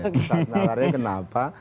sesat nalarnya kenapa